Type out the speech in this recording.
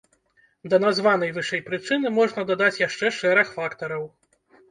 Да названай вышэй прычыны можна дадаць яшчэ шэраг фактараў.